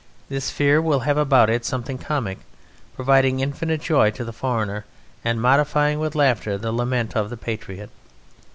This Fear will have about it something comic, providing infinite joy to the foreigner, and modifying with laughter the lament of the patriot.